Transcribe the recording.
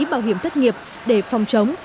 bảo hiểm thất nghiệp để phòng chống